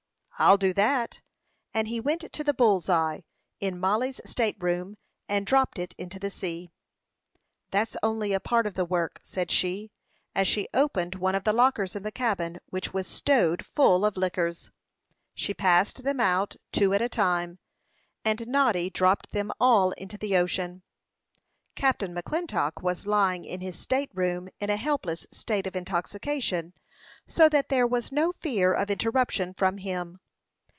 "I'll do that;" and he went to the bull's eye, in Molli's state room, and dropped it into the sea. "That's only a part of the work," said she, as she opened one of the lockers in the cabin, which was stowed full of liquors. She passed them out, two at a time, and Noddy dropped them all into the ocean. Captain McClintock was lying in his state room, in a helpless state of intoxication, so that there was no fear of interruption from him.